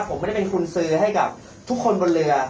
ผมไม่ได้เป็นคุณซื้อให้กับทุกคนบนเรือ